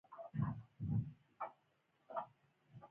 اګر چې د دوي دا کار د يوې مذهبي فريضې